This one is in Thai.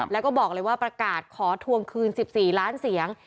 แล้วก็บอกเลยว่าประกาศขอทวงคืน๑๔ล้านเสียง